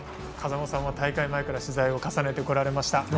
風間さんは大会前から取材を重ねてきました。